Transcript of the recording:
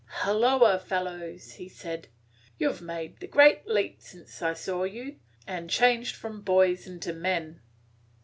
"Hulloa, fellows!" he said, "you 've made the great leap since I saw you, and changed from boys into men."